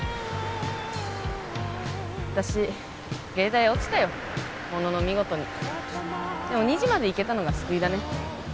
私藝大落ちたよ物の見事にでも二次までいけたのが救いだね